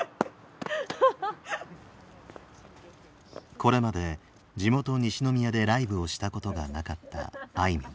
これまで地元西宮でライブをしたことがなかったあいみょん。